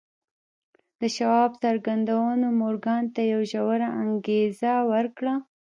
د شواب څرګندونو مورګان ته يوه ژوره انګېزه ورکړه.